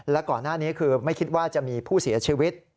และก่อนหน้านี้คือไม่คิดว่าจะมีผู้เสียชีวิต